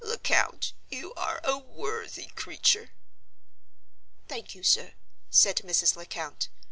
"Lecount, you are a worthy creature!" "Thank you, sir," said Mrs. Lecount.